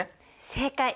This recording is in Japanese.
正解！